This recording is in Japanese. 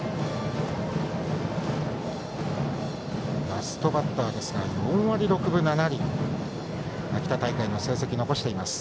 ラストバッターですが４割６分７厘と秋田大会の成績、残しています。